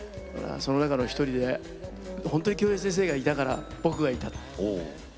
その中の１人で本当に京平先生がいたから僕がいた。